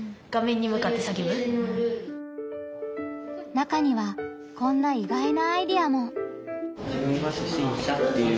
中にはこんな意外なアイデアも。